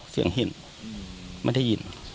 เสียงหินไม่ได้ยิน